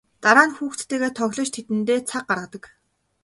Дараа нь хүүхдүүдтэйгээ тоглож тэдэндээ цаг гаргадаг.